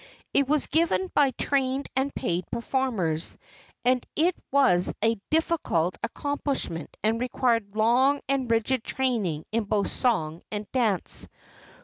It was given by trained and paid performers, as it was a difficult accomplishment and required long and rigid training in both song and dance.